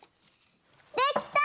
できた！